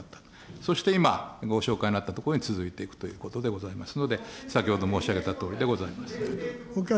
そして今、ご紹介のあったところに続いていくということでございますので、先ほど申し上げたとおりでございます。